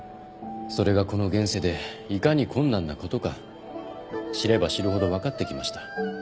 それがこの現世でいかに困難なことか知れば知るほど分かってきました。